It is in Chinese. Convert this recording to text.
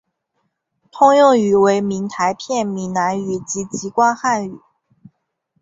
通用语为闽台片闽南语及籍贯汉语。